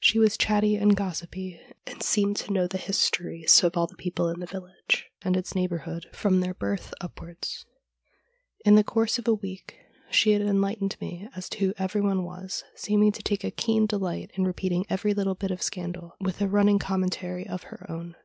She was chatty and gossipy, and seemed to know the histories of all the people in the village and its neigh bourhood from their birth upwards. In the course of a week she had enlightened me as to who everyone was, seeming to take a keen delight in repeating every little bit of scandal, 216 STORIES WEIRD AND WONDERFUL with a running commentary of her own.